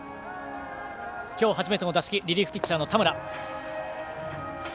今日、初めての打席リリーフピッチャーの田村。